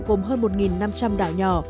gồm hơn một năm trăm linh đảo nhỏ